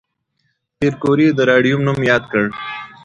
پېیر کوري د راډیوم نوم تایید کړ.